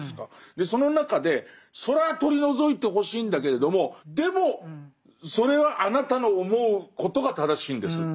その中でそれは取り除いてほしいんだけれどもでもそれはあなたの思うことが正しいんですっていう。